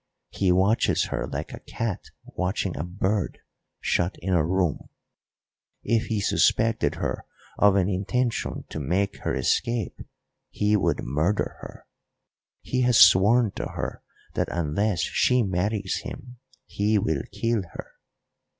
He watches her like a cat watching a bird shut in a room; if he suspected her of an intention to make her escape he would murder her. He has sworn to her that unless she marries him he will kill her.